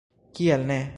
Kiel ne?